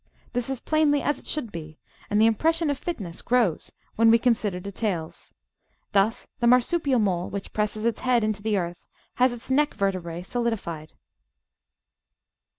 This is plainly as it should be, and the impression of fitness grows when we consider details. Thus the Marsupial Mole, which presses its head into the earth, has its neck vertebrae solidified.